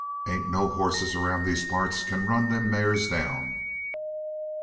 Ain't no hosses around these parts can run them mares down!"